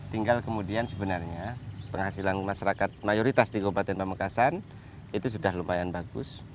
tinggal kemudian sebenarnya penghasilan masyarakat mayoritas di kabupaten pamekasan itu sudah lumayan bagus